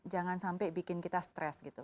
jangan sampai bikin kita stres gitu